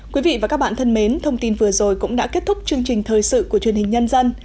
quý vị và các bạn thân mến thông tin vừa rồi cũng đã kết thúc chương trình thời sự của truyền hình nhân dân